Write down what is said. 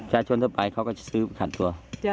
แล้วช่างชนเท่าไปเขาก็ซื้อขัดตัว